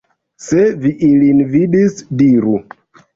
Se vi ilin vidis, diru!